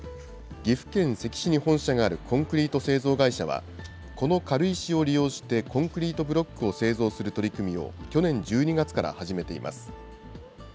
岐阜県関市に本社があるコンクリート製造会社は、この軽石を利用してコンクリートブロックを製造する取り組みを去年１２月から始めています。